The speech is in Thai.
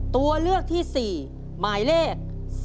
ตัวเลือกที่๔หมายเลข๔